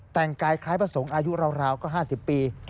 แต่งกายคล้ายพระสงฆ์อายุราวก็๕๐ปี